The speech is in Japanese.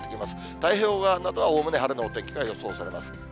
太平洋側などはおおむね晴れのお天気が予想されます。